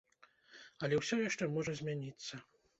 Але ўсё яшчэ можа змяніцца.